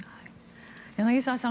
柳澤さん